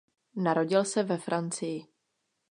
Narodil se ve Francii.